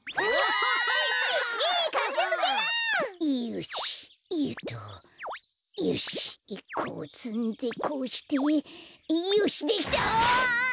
よしよっとよしこうつんでこうしてよしできた！ああ！